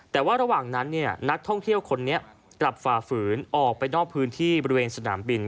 แต่ว่าระหว่างนั้นนักท่องเที่ยวคนนี้กลับฝ่าฝืนออกไปนอกพื้นที่บริเวณสนามบิน